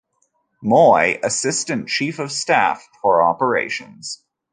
Moy, Assistant Chief of Staff for Operations.